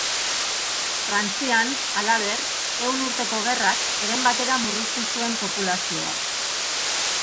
Frantzian, halaber, Ehun Urteko Gerrak heren batera murriztu zuen populazioa.